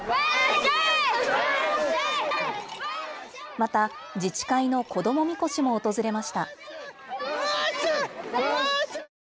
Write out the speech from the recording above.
また自治会の子どもみこしも訪れました。